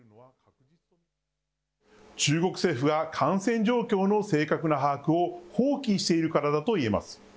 中国政府が感染状況の正確な把握を放棄しているからだといえます。